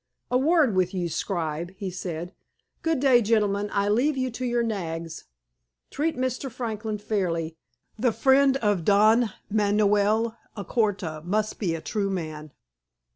"A word with you, scribe," he said. "Good day, gentlemen. I leave you to your nags. Treat Mr. Franklin fairly. The friend of Don Manoel Alcorta must be a true man."